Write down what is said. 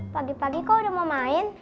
pagi pagi kok udah mau main